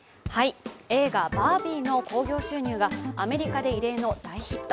映画「バービー」の興行収入がアメリカで異例の大ヒット。